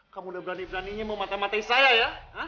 kamu udah berani beraninya mematah matahi saya ya